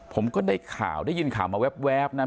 ผมก็ได้ข่าวได้ยินข่าวมาแวบนะ